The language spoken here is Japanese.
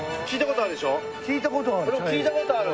俺も聞いたことはある。